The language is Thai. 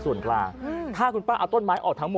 สุดทนแล้วกับเพื่อนบ้านรายนี้ที่อยู่ข้างกัน